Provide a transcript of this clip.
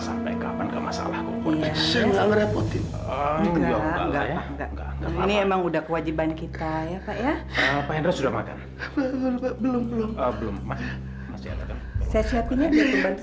enggak enggak enggak ini emang udah kewajiban kita ya pak ya pak endra sudah makan belum belum belum